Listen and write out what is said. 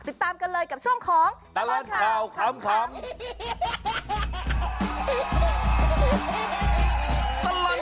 ติดตามกันเลยกับช่วงของตลอดข่าวขำ